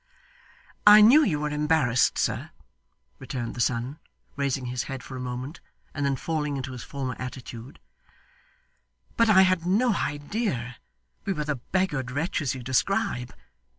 'I knew you were embarrassed, sir,' returned the son, raising his head for a moment, and then falling into his former attitude, 'but I had no idea we were the beggared wretches you describe.